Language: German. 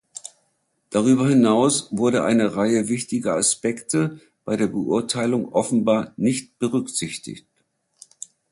Darüber hinaus wurde eine Reihe wichtiger Aspekte bei der Beurteilung offenbar nicht berücksichtigt.